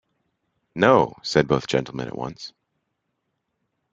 "No," said both gentlemen at once.